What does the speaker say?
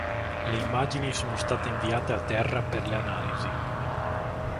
Le immagini sono state inviate a terra per le analisi.